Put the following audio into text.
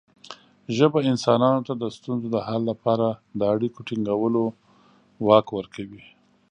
ژبه انسانانو ته د ستونزو د حل لپاره د اړیکو ټینګولو واک ورکوي.